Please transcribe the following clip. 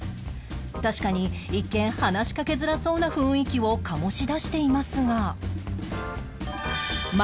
確かに一見話しかけづらそうな雰囲気を醸し出していますが